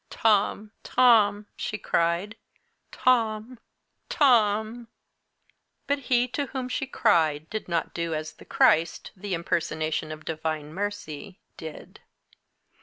"Tom! Tom!" she cried, "Tom! Tom!" But he to whom she cried did not do as the Christ, the Impersonation of Divine Mercy, did.